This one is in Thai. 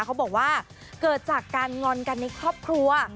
เขาบอกว่าเกิดจากการงอนกันในครอบครัว